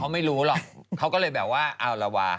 ไม่รู้หรอกเขาก็เลยแบบว่าเอาละวา